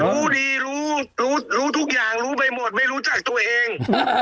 รู้ดีรู้รู้ทุกอย่างรู้ไปหมดไม่รู้จักตัวเอง